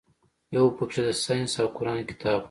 يو پکښې د ساينس او قران کتاب و.